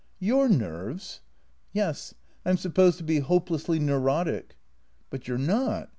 " Your nerves ?"" Yes. I 'm supposed to be hopelessly neurotic." "But you're not.